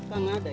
ini kan sudah